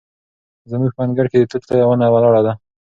زموږ په انګړ کې د توت لویه ونه ولاړه ده.